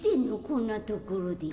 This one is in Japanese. こんなところで。